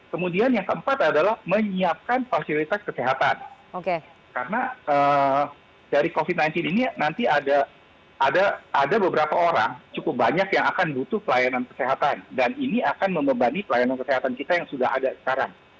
kemudian yang keempat adalah menyiapkan fasilitas kesehatan karena dari covid sembilan belas ini nanti ada beberapa orang cukup banyak yang akan butuh pelayanan kesehatan dan ini akan membebani pelayanan kesehatan kita yang sudah ada sekarang